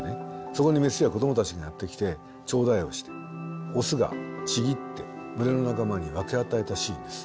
そこにメスや子どもたちがやって来て頂戴をしてオスがちぎって群れの仲間に分け与えたシーンです。